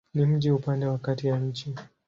Ni mji upande wa kati ya nchi.